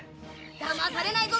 だまされないぞ！